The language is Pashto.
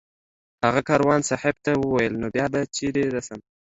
هغه کاروان صاحب ته وویل نو بیا به چېرې رسم